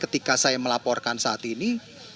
ketika saya melaporkan saat ini